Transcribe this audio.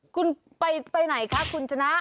คุณไปไหนคะคุณชนะ